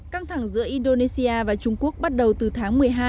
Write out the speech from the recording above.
căng thẳng giữa indonesia và trung quốc bắt đầu từ tháng một mươi hai